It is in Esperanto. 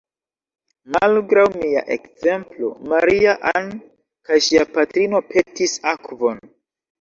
Malgraŭ mia ekzemplo, Maria-Ann kaj ŝia patrino petis akvon.